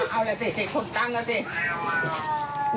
เอาเหละสิคุณตั้งเอาสิ